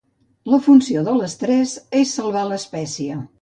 La funció de l'estrès és salvar l'espècie.